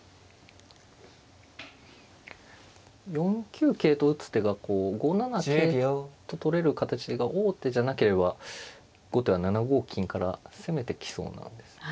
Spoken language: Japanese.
４九桂と打つ手がこう５七桂と取れる形が王手じゃなければ後手は７五金から攻めてきそうなんですね。